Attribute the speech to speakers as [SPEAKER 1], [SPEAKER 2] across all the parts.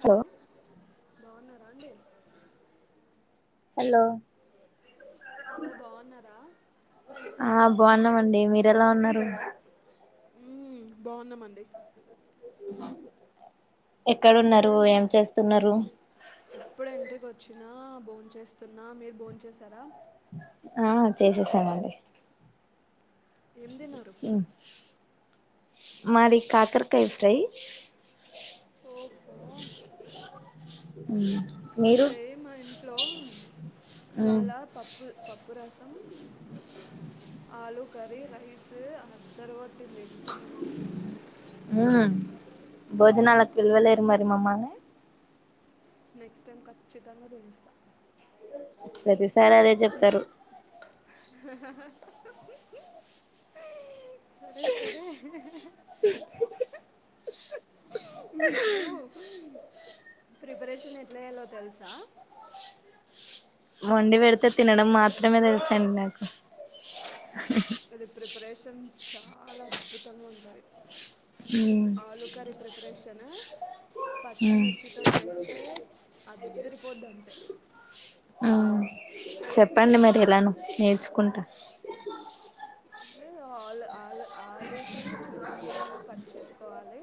[SPEAKER 1] Hello బాగున్నారా అండి
[SPEAKER 2] hello
[SPEAKER 1] hello బాగున్నారా
[SPEAKER 2] ఆ బాగున్నామండి మీరు ఎలా ఉన్నారు
[SPEAKER 1] హుమ్ బాగున్నామండి అయితే
[SPEAKER 2] ఎక్కడున్నరు ఏం చేస్తున్నరు
[SPEAKER 1] ఇప్పుడు ఇంటికి వచ్చినా భోన్ చేస్తున్నా మీరు భోన్ చేసారా
[SPEAKER 2] ఆ చేసేసామండి
[SPEAKER 1] ఏం తిన్నరు
[SPEAKER 2] మాది కాకరకాయ్ ఫ్రై
[SPEAKER 1] ఓఫో
[SPEAKER 2] బ్లాంక్
[SPEAKER 1] అయితే మా ఇంట్లో
[SPEAKER 2] మ్మ్
[SPEAKER 1] ఇవాళ పప్పు పప్పు రసం ఆలు కరీ రైస్ అదరగొట్టింది
[SPEAKER 2] హ్
[SPEAKER 1] మ్మ్.
[SPEAKER 2] భోజనాలకు పిలువలేరు మరి మమ్మల్ని
[SPEAKER 1] నెక్స్ట్ టైం ఖచ్చితంగ పిలుస్తా
[SPEAKER 2] ప్రతిసారి అదే చెప్తరు
[SPEAKER 1] బ్లాంక్ సరే సరే
[SPEAKER 2] [inaudible]
[SPEAKER 1] మీకు
[SPEAKER 2] బ్లాంక్
[SPEAKER 1] ప్రిపరేషన్ ఎట్ల చెయాలో తెలుసా
[SPEAKER 2] వండి వెడితే తినడం మాత్రమే తెలుసండి నాకు
[SPEAKER 1] ఇది ప్రిపరేషన్ చాలా అద్భుతంగా ఉంటది
[SPEAKER 2] హుమ్
[SPEAKER 1] ప్రేషను పచ్చిమిర్చితో చేస్ తే అదిరిపోద్దంతే
[SPEAKER 2] మ్మ్ చెప్పండి మరి ఎలానో నేర్చుకుంటా
[SPEAKER 1] లే ఆ ఆల్ ఆల్ ఆలూస్ ని చిన్న చిన్నగ కట్ చేకోవాలి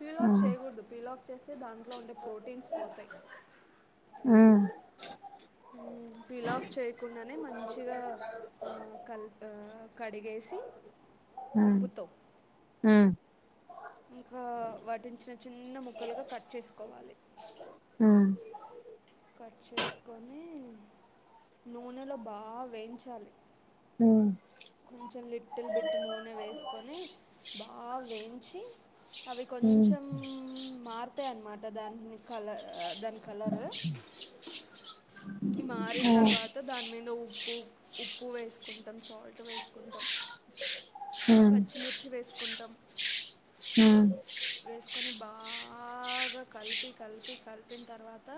[SPEAKER 1] పీల్ ఆఫ్
[SPEAKER 2] మ్మ్
[SPEAKER 1] చేయగుడదు పీల్ ఫీల్ ఆఫ్ చేస్తె దాంట్లో ఉండే ప్రోటీన్స్ పొతయ్
[SPEAKER 2] హు మ్
[SPEAKER 1] మ్ పిల్ ఆఫ్ చేయకుండనే మంచిగా కల్ కడిగేసి
[SPEAKER 2] మ్మ్
[SPEAKER 1] ఉప్పుతో
[SPEAKER 2] మ్మ్
[SPEAKER 1] ఇంకా వాటిని చిన్ చిన్న ముక్కలుగా కట్ చేసుకోవాలి
[SPEAKER 2] మ్మ్
[SPEAKER 1] కట్ చేసుకొనీ నూనెలో బా వేయించాలి
[SPEAKER 2] మ్మ్
[SPEAKER 1] కొంచెం లిట్టిల్ బిట్ నూనె వేసుకొని బా వేయించి అవి
[SPEAKER 2] హ్మ్
[SPEAKER 1] కొంచాం మారుతాయన్నమాట దాని కల దాని కలర్ మారిన్
[SPEAKER 2] హ్మ్
[SPEAKER 1] తర్వాత దాని మీద ఉప్పు ఉప్పు వేసుకుంటాం సాల్ట్ వేసుకుంటాం
[SPEAKER 2] హ్మ్
[SPEAKER 1] పచ్చిమిర్చి వేసుకుంటాం
[SPEAKER 2] ఆ
[SPEAKER 1] వేసుకొని బాగా కలిపి కలిపి కలిపిన్ తర్వాత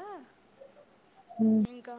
[SPEAKER 2] హ్మ్
[SPEAKER 1] ఇంకా